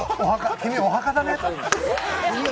君、お墓だね。